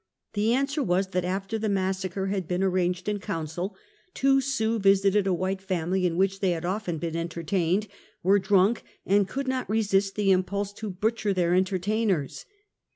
The answer was that after the massacre had been ar ranged in council, two Sioux visited a white family in. which they had often been entertained, were drunk, and could not resist the impulse to butcher their entertain ers.